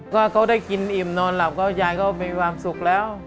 ถ้าเขาได้กินอิ่มนอนหลับก็ยายก็มีความสุขแล้ว